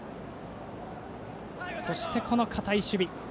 そして、堅い守備。